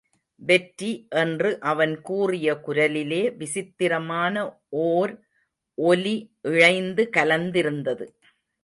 வெற்றி என்று அவன் கூறிய குரலிலே விசித்திரமான ஓர் ஒலி இழைந்து கலந்திருந்தது.